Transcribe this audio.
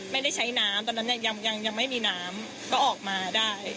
ไม่ได้ใช้น้ำตอนนั้นเนี่ยยังไม่มีน้ำก็ออกมาได้